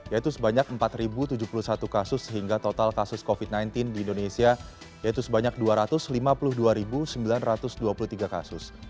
yaitu sebanyak empat tujuh puluh satu kasus sehingga total kasus covid sembilan belas di indonesia yaitu sebanyak dua ratus lima puluh dua sembilan ratus dua puluh tiga kasus